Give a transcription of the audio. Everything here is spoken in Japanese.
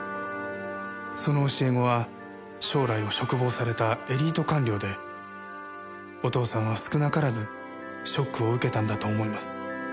その教え子は将来を嘱望されたエリート官僚でお父さんは少なからずショックを受けたんだと思います。